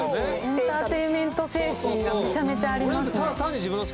エンターテインメント精神がめちゃめちゃありますね